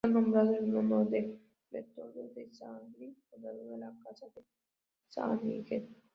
Está nombrado en honor de Bertoldo de Zähringen, fundador de la Casa de Zähringen.